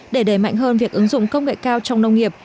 để đẩy mạnh hơn việc ứng dụng công nghệ cao trong nông nghiệp